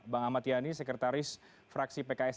bang ahmad yani sekretaris fraksi pks dprd jakarta